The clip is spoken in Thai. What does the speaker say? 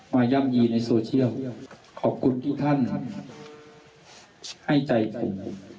ย่ำยีในโซเชียลขอบคุณทุกท่านให้ใจใจ